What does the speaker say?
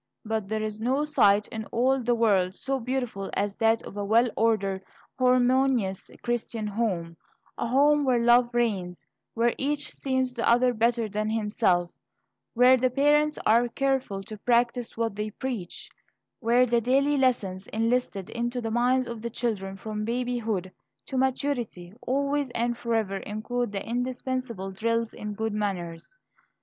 But there is no sight in all the world so beautiful as that of a well ordered, harmonious Christian home, a home where love reigns; where each esteems the other better than himself; where the parents are careful to practise what they preach; where the daily lessons instilled into the minds of the children from babyhood to maturity always and forever include the indispensable drills in good manners.